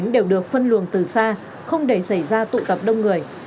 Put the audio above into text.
đều được phân luồng từ xa không để xảy ra tụ tập đông người